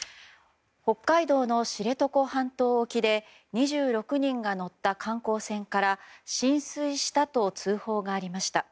北海道の知床半島沖で２６人が乗った観光船から浸水したと通報がありました。